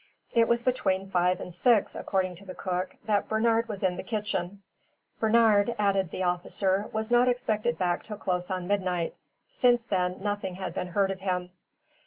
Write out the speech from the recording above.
It was between five and six, according to the cook, that Bernard was in the kitchen. Bernard, added the officer, was not expected back till close on midnight. Since then nothing had been heard of him.